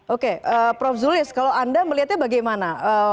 oke prof zulis kalau anda melihatnya bagaimana